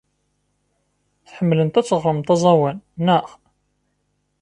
Tḥemmlemt ad teɣremt aẓawan, naɣ?